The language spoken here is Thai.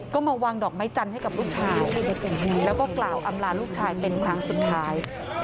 ก็มาวางดอกไม้จันทร์ให้กับลูกชายแล้วก็กล่าวอำลาลูกชายเป็นครั้งสุดท้าย